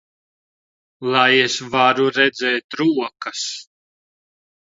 Lai es varu redzēt rokas!